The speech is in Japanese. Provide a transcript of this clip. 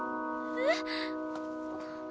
えっ？